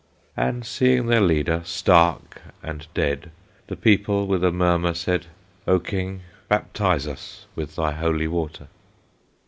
And seeing their leader stark and dead, The people with a murmur said, "O King, baptize us with thy holy water!"